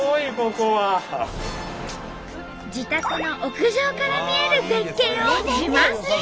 自宅の屋上から見える絶景を自慢する人。